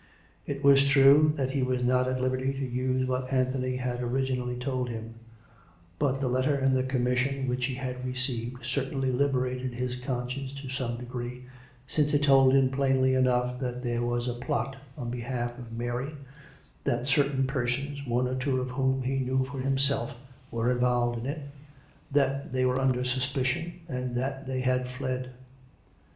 It was true that he was not at liberty to use what Anthony had origi nally told him; but the letter and the commission which he had received certainly liberated his conscience to some de gree, since it told him plainly enough that there was a plot on behalf of Mary, that certain persons, one or two of whom he knew for himself, were involved in it, that they were under suspicion, and that they had fled.